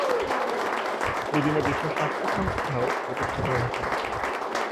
এ দিনে বিশ্ব স্বাস্থ্য সংস্থাও প্রতিষ্ঠিত হয়েছিল।